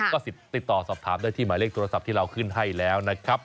ก็ติดต่อสอบถามได้ที่หมายเลขโทรศัพท์ที่เราขึ้นให้แล้วนะครับ